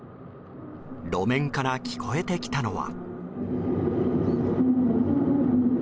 路面から聞こえてきたのは。